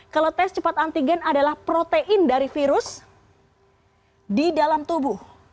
kalau tes cepat antigen adalah protein dari virus di dalam tubuh